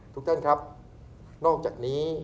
ทุกท่านครับนอกจากนี้